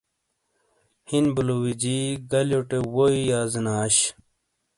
ہیِن بُلوویجی گلیوٹے ووئیے یازینا اش۔